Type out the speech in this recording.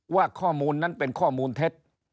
ว่าข้อมูลนั้นเป็นข้อมูลเท็จ